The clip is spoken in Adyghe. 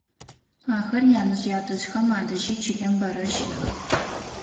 Ахэр янэжъ-ятэжъхэм адэжьи чылэм бэрэ щэӏэх.